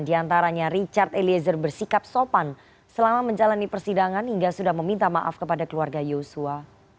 di antaranya richard eliezer bersikap sopan selama menjalani persidangan hingga sudah meminta maaf kepada keluarga yosua